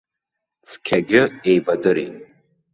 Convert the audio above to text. Цқьагьы еибадырит.